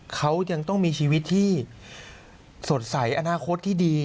เขายังต้องมีชีวิตที่สดใสอนาคตที่ดี